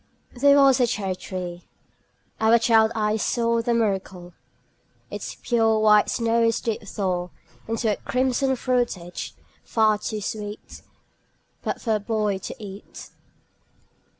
There was a cherry tree our child eyes saw The miracle: Its pure white snows did thaw Into a crimson fruitage, far too sweet But for a boy to eat.